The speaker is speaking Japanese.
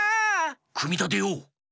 くみたてよう！